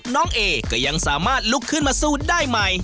น้องเอก็ยังสามารถลุกขึ้นมาสู้ได้ใหม่